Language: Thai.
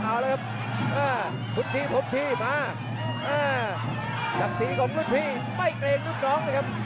อ้าวศักดิ์ศรีของรุ่นพี่ไม่เกรงลูกน้องนะครับ